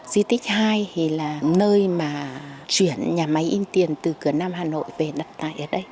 di tích hai thì là nơi mà chuyển nhà máy in tiền từ cửa nam hà nội về đặt tại ở đây